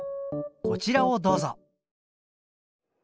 こちらをどうぞ。